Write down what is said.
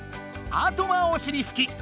あとはおしりふき。